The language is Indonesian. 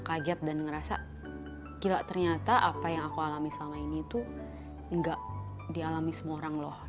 kaget dan ngerasa gila ternyata apa yang aku alami selama ini tuh enggak dialami semua orang loh